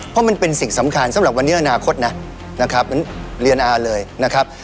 เพราะมันเป็นสิ่งสำคัญสำหรับวันนี้อนาคตนะนะครับเหมือนเรียนอาเลยนะครับ